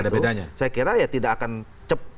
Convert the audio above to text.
saya kira ya tidak akan cepat